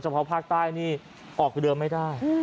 เพราะภาคใต้นี่ออกเรือไม่ได้